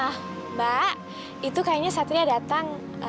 nah mbak itu kayaknya satria datang